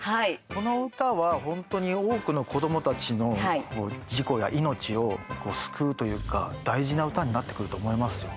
この歌は本当に多くの子どもたちの事故や命を救うというか大事な歌になってくると思いますよ。